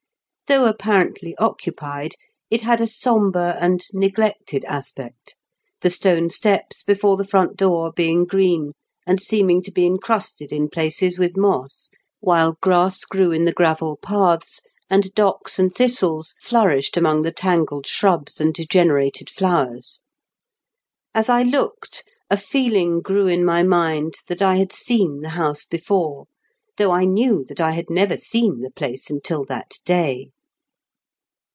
Though appa rently^ occupied, it had a sombre and neglected aspect, the steme steps before the front door being green, and seeming to be encrusted in places wrtb moss, wki£& graes grew m the gravel paths, tmA docks »n&d thistltes flourished among the taagled shrubs and d^eaerated flowers. As I looked, a feeling grew in my mind that I had seen the house before, tiu9Qg& I knew that I had never seen the place until that day.